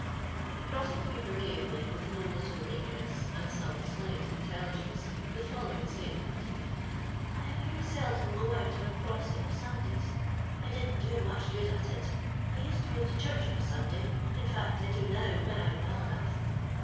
The crossing sweeper gave me, with no little meekness and some slight intelligence, the following statement: —" I very seldom go out on a crossui' o' Sun days. I didn't do much good at it I used to go to church of a Sunday — in fact, 1 do now when I'm well enough.